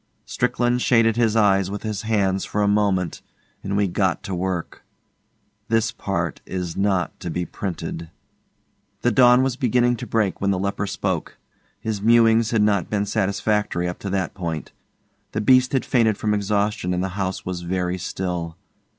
Strickland shaded his eyes with his hands for a moment and we got to work. This part is not to be printed. The dawn was beginning to break when the leper spoke. His mewings had not been satisfactory up to that point. The beast had fainted from exhaustion and the house was very still.